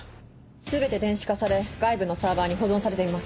全て電子化され外部のサーバーに保存されています。